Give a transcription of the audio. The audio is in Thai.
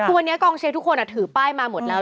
ทุกวันนี้ก๊อลเชฟทุกคนถือป้ายมาหมดแล้ว